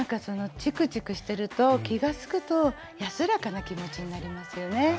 ちくちくしてると気が付くと安らかな気持ちになりますよね。